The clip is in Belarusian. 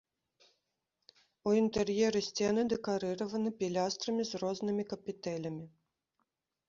У інтэр'еры сцены дэкарыраваны пілястрамі з разнымі капітэлямі.